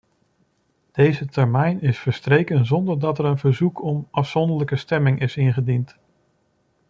Deze termijn is verstreken zonder dat er een verzoek om afzonderlijke stemming is ingediend.